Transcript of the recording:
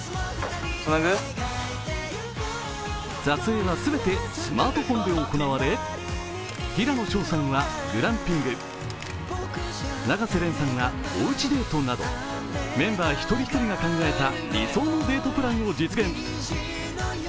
撮影はすべてスマートフォンで行われ平野紫耀さんはグランピング、永瀬廉さんはおうちデートなどメンバー一人一人が考えた理想のデートプランを実現。